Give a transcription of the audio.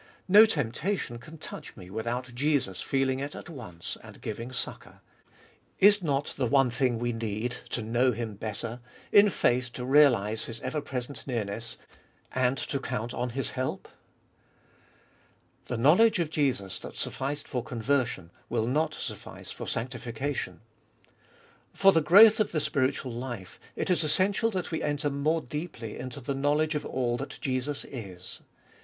No temptation can touch me without Jesus feeling it at once, and giving succour. Is not the one thing we need to know Him better, in faith to realise His ever present nearness, and to count on His help ? 3. The knowledge of Jesus that sufficed for conversion will not suffice for sanctificathn. For the growth of the spiritual life it is essential that we enter more deeply into the knowledge of all that Jesus is.